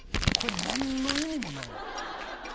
これ、何の意味もない。